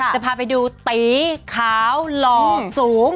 จะพาไปดูตีขาวหล่อสูง